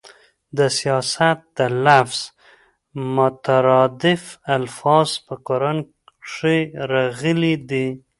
د سیاست د لفظ مترادف الفاظ په قران کريم کښي راغلي دي.